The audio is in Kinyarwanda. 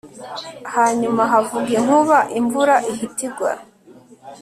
Hanyuma havuga inkuba imvura ihita igwa